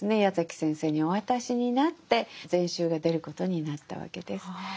矢崎先生にお渡しになって全集が出ることになったわけです。